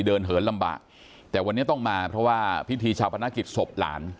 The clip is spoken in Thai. เหินลำบากแต่วันนี้ต้องมาเพราะว่าพิธีชาวพนักกิจศพหลาน